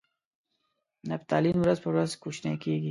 نفتالین ورځ په ورځ کوچنۍ کیږي.